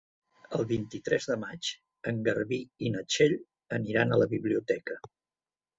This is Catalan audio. El vint-i-tres de maig en Garbí i na Txell aniran a la biblioteca.